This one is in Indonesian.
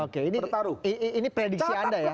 oke ini prediksi anda ya